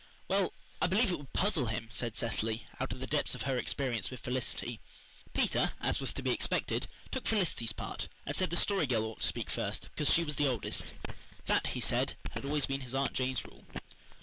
"Well, I believe it would puzzle Him," said Cecily, out of the depths of her experience with Felicity. Peter, as was to be expected, took Felicity's part, and said the Story Girl ought to speak first because she was the oldest. That, he said, had always been his Aunt Jane's rule.